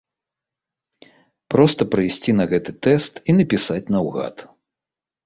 Проста прыйсці на гэты тэст і напісаць наўгад.